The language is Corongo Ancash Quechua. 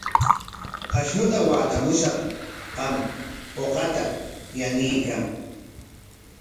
Ashnuta watamushaq, qam uqata yanuykan.